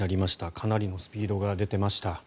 かなりのスピードが出ていました。